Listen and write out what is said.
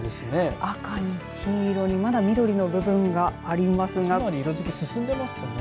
赤に黄色にまだ緑の部分がありますが色づきが進んでいますね。